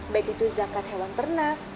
baik itu zakat hewan ternak